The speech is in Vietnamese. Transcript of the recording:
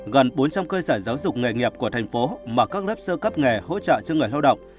gần bốn trăm linh cơ sở giáo dục nghề nghiệp của thành phố mở các lớp sơ cấp nghề hỗ trợ cho người lao động